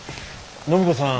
暢子さん